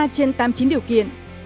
bốn mươi ba trên tám mươi chín điều kiện